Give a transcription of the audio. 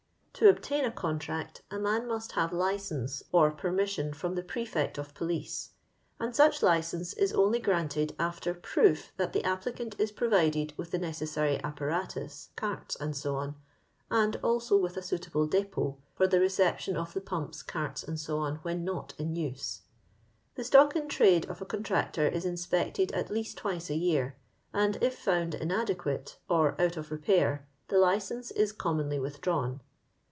To obtain a contract, a man must have license or permission firom the prefect of police, and such license is only granted after proof that the applicant is provided with the necessaiy apparatus, carts, &c., and also with a suitable di^pAt for the reception of the pumps, carts, &c., when not in use. The stock in trade of a contractor is inspected at least twice a year, and if found inadequate or out of zepair the license is commonly with drawn.